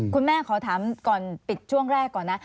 ขอถามก่อนปิดช่วงแรกก่อนนะ